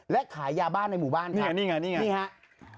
และขายยาบ้านในหมู่บ้านค่ะนี่ไงนี่ไงนี่ครับ